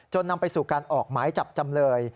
นำไปสู่การออกหมายจับจำเลย